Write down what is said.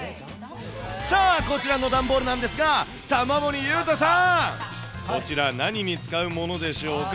さあ、こちらの段ボールなんですが、玉森裕太さーん、こちら、何に使うものでしょうか。